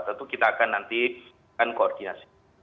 tentu kita akan nanti akan koordinasi